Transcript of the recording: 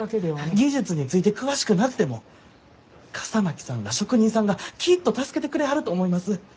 技術について詳しくなくても笠巻さんら職人さんがきっと助けてくれはると思います。